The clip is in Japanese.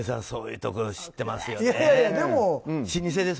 そういうところ知っていますよね。